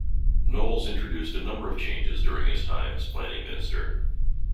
Knowles introduced a number of changes during his time as Planning Minister.